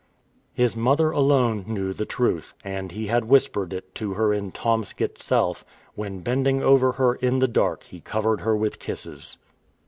His mother alone knew the truth, and he had whispered it to her in Tomsk itself, when bending over her in the dark he covered her with kisses.